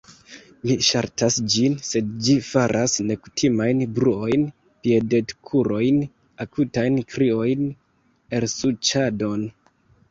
Mi ŝaltas ĝin, sed ĝi faras nekutimajn bruojn: piedetkurojn, akutajn kriojn, elsuĉadon...